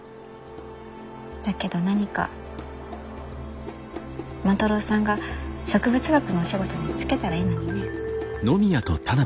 だけど何か万太郎さんが植物学のお仕事に就けたらいいのにね。